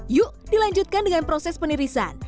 yuk dilanjutkan dengan proses penirisan